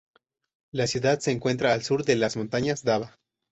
La ciudad se encuentra al sur del las montañas Daba.